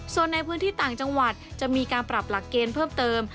ส่วนในพื้นที่ต่างจังหวัดจะมีการปรับหลักเกณฑ์เพิ่มเติม